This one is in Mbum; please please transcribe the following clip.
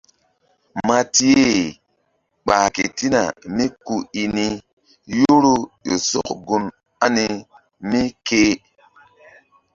Matiye ɓah ketina mí ku i ni yoro ƴo sɔk gun ani mí ke.